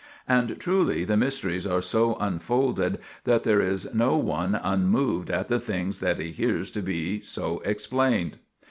And truly the mysteries are so unfolded that there is no one unmoved at the things that he hears to be so explained.